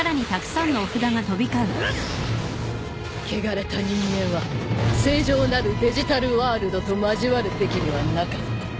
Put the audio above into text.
穢れた人間は清浄なるデジタルワールドと交わるべきではなかった。